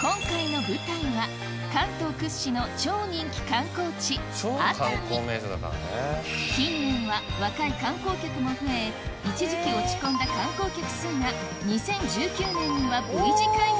今回の舞台は関東屈指の近年は若い観光客も増え一時期落ち込んだ観光客数が２０１９年にはＶ字回復